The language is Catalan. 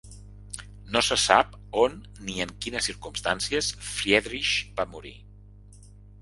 No se sap on ni en quines circumstàncies Friedrich va morir.